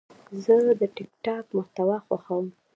زه د ټک ټاک محتوا خوښوم.